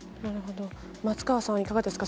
松川さん、いかがですか。